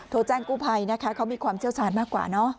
แจ้งกู้ภัยนะคะเขามีความเชี่ยวชาญมากกว่าเนอะ